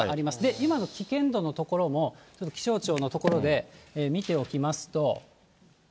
今の危険度の所も、ちょっと気象庁のところで見ておきますと。